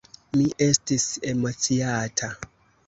Mi estis emociata.